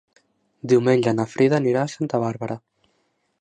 Diumenge na Frida anirà a Santa Bàrbara.